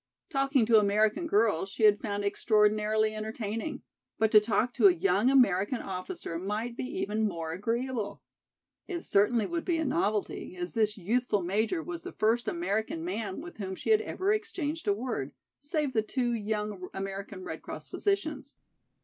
Talking to American girls she had found extraordinarily entertaining, but to talk to a young American officer might be even more agreeable. It certainly would be a novelty, as this youthful major was the first American man with whom she had ever exchanged a word, save the two young American Red Cross physicians.